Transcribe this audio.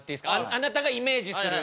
あなたがイメージする。